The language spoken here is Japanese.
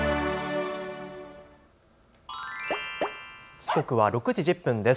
時刻は６時１０分です。